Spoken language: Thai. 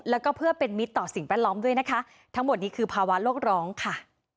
แล้วก็เพื่อเป็นมิตรต่อสิ่งแวดล้อมด้วยนะคะทั้งหมดนี้คือภาวะโลกร้องค่ะ